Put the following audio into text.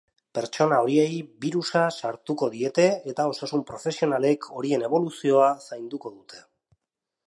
Pertsona horiei birusa sartuko diete eta osasun profesionalek horien eboluzioa zainduko dute.